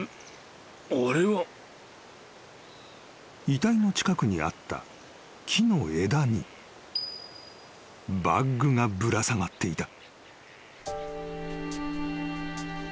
［遺体の近くにあった木の枝にバッグがぶら下がっていた］